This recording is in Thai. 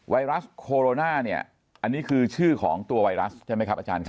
ไวรัสโคโรนาเนี่ยอันนี้คือชื่อของตัวไวรัสใช่ไหมครับอาจารย์ครับ